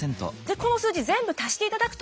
この数字全部足していただくと。